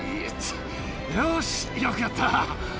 よーし、よくやった。